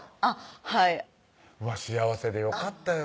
はい幸せでよかったよ